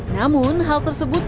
namun hal tersebut